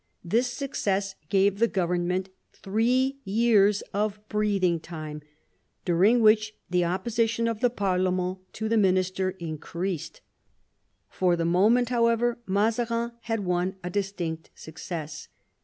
This success gave the government three years of breathing time, during which the opposition of the jparlement to the minister increased. For the moment, however, Mazarin had won a distinct success.